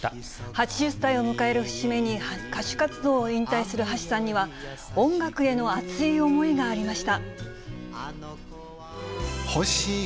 ８０歳を迎える節目に歌手活動を引退する橋さんには、音楽への熱い思いがありました。